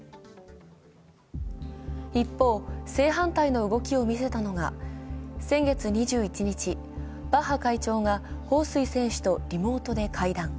一方、正反対の動きを見せたのが、先月２１日、バッハ会長が彭帥選手とリモートで会談。